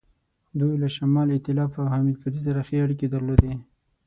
دوی له شمال ایتلاف او حامد کرزي سره ښې اړیکې درلودې.